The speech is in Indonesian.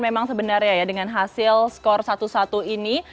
memang sebenarnya ya dengan hasil skor satu satu ini